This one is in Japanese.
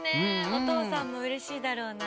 おとうさんもうれしいだろうな。